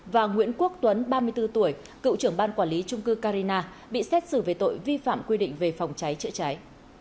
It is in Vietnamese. và nguyễn quốc tuấn ba mươi bốn tuổi cựu trưởng ban quản lý trung cư carina bị xét xử về tội vi phạm quy định về phòng cháy chữa cháy